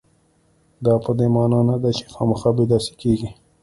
دا په دې معنا نه ده چې خامخا به داسې کېږي.